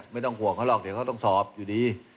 ไม่ต้องห่วงเขาหรอกเดี๋ยวเขาต้องสอบอยู่ดี